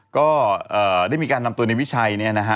ก็ได้มีการนำตัวในวิชัยเนี่ยนะฮะ